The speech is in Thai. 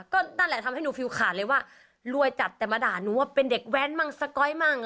ก็นั่นแหละทำให้หนูฟิวขาดเลยว่ารวยจัดแต่มาด่าหนูว่าเป็นเด็กแว้นมั่งสก๊อยมั่ง